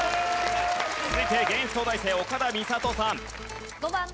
続いて現役東大生岡田美里さん。